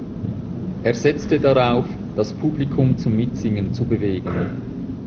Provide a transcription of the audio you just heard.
Es setzte darauf, das Publikum zum Mitsingen zu bewegen.